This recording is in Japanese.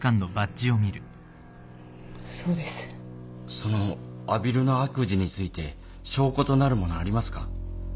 その阿比留の悪事について証拠となるものありますか？